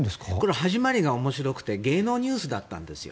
始まりが面白くて芸能ニュースだったんですよ。